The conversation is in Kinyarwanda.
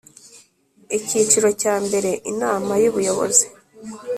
Icyiciro cya mbere Inama y’Ubuyobozi